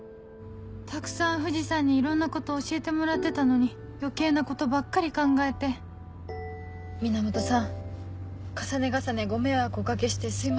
たくさん藤さんにいろんなこと教えてもらってたのに余計なことばっかり考えて源さん重ね重ねご迷惑お掛けしてすいません。